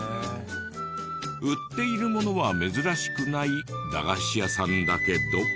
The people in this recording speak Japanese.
売っているものは珍しくない駄菓子屋さんだけど。